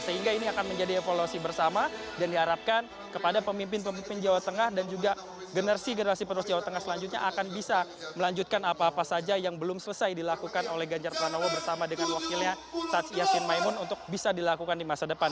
sehingga ini akan menjadi evaluasi bersama dan diharapkan kepada pemimpin pemimpin jawa tengah dan juga generasi generasi penerus jawa tengah selanjutnya akan bisa melanjutkan apa apa saja yang belum selesai dilakukan oleh ganjar pranowo bersama dengan wakilnya taj yassin maimun untuk bisa dilakukan di masa depan